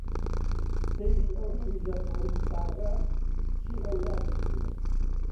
سەیری ئەو حیزە قوڕمساغە چ ئەورادی هەیە